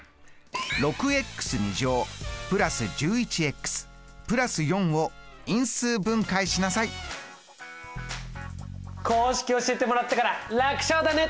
６＋１１＋４を因数分解しなさい公式教えてもらったから楽勝だねっ！